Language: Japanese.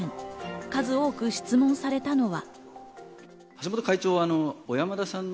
数多く質問されたのが。